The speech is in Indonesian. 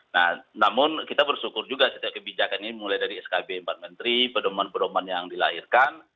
nah namun kita bersyukur juga setiap kebijakan ini mulai dari skb empat menteri pedoman pedoman yang dilahirkan